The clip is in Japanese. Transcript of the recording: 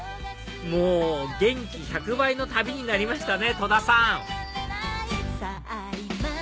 もう元気１００倍の旅になりましたね！